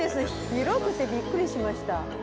広くてびっくりしました。